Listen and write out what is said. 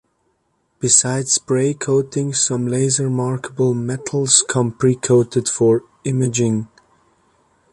Besides spray coatings, some laser-markable metals come pre-coated for imaging.